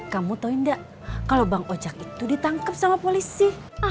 kamu tahu enggak kalau bang ocak itu ditangkap sama polisi